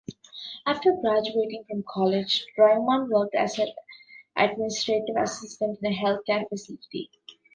After graduating from college, Draiman worked as an administrative assistant in a healthcare facility.